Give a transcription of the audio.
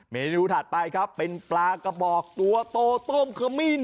เมนูถัดไปครับเป็นปลากระบอกตัวโตต้มขมิ้น